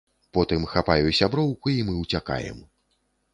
Потым хапаю сяброўку, і мы ўцякаем.